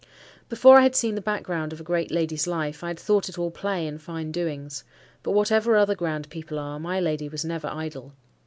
Before I had seen the background of a great lady's life, I had thought it all play and fine doings. But whatever other grand people are, my lady was never idle.